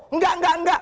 enggak enggak enggak